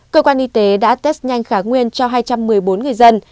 cơ quan y tế đã test nhanh khả nguyên cho hai trăm một mươi bốn người dân